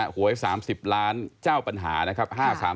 หวย๓๐ล้านเจ้าปัญหานะครับ